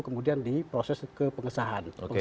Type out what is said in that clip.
kemudian diproses ke pengesahan